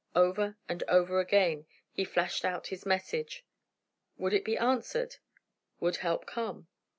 Over and over again he flashed out this message. Would it be answered? Would help come?